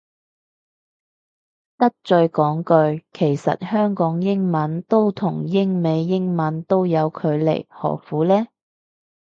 得罪講句，其實香港英文都同英美英文都有距離何苦呢